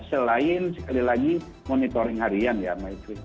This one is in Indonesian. selain sekali lagi monitoring harian ya maifri